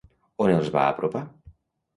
On els va apropar?